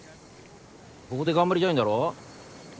ここで頑張りたいんだろ？